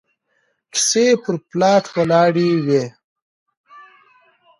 کيسې پر پلاټ ولاړې وي